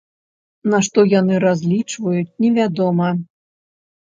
На што яны разлічваюць, невядома.